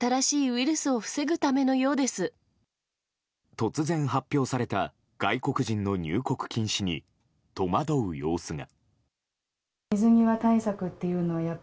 突然発表された外国人の入国禁止に戸惑う様子が。